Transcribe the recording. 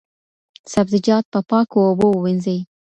سبزیجات په پاکو اوبو ووینځئ.